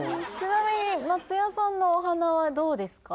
ちなみに松也さんのお鼻はどうですか？